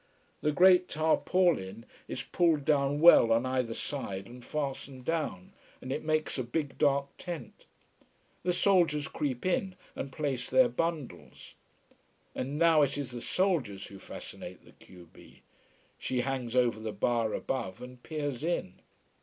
The great tarpaulin is pulled down well on either side and fastened down, and it makes a big dark tent. The soldiers creep in and place their bundles. And now it is the soldiers who fascinate the q b. She hangs over the bar above, and peers in.